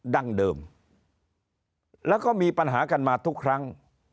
ดั้งเดิมแล้วก็มีปัญหากันมาทุกครั้ง